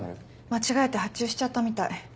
間違えて発注しちゃったみたい。